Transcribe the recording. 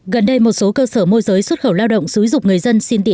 gần đây một số cơ sở môi giới xuất khẩu lao động xúi dục người dân xin tị nạn